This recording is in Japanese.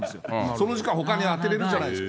その時間、ほかに当てれるじゃないですか。